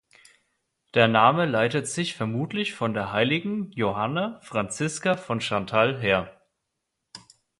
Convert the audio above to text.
Der Name leitet sich vermutlich von der heiligen Johanna Franziska von Chantal her.